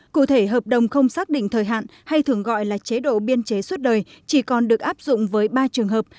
cụ thể hợp đồng không xác định thời hạn hay thường gọi là chế độ biên chế suốt đời chỉ còn được áp dụng với ba trường hợp